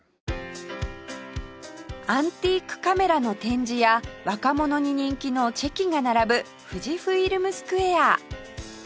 アンティークカメラの展示や若者に人気のチェキが並ぶフジフイルムスクエア